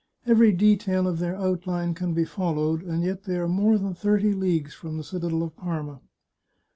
Every detail of their 323 The Chartreuse of Parma outline can be followed, and yet they are more than thirty leagues from the citadel of Parma.